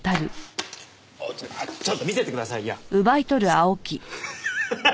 ちょっと見せてくださいよ。